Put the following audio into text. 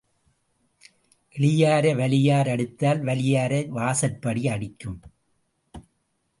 எளியாரை வலியார் அடித்தால் வலியாரை வாசற்படி அடிக்கும்.